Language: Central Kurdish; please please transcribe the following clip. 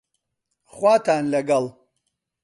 خواتان لەگەڵ